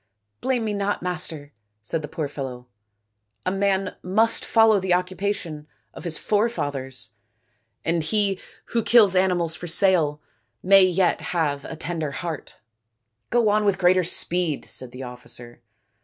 " Blame me not, master," said the poor fellow. " A man must follow the occupation of his fore 238 THE INDIAN STORY BOOK fathers, and he who kills animals for sale may yet have a tender heart. 5 '" Go on with greater speed," said the officer.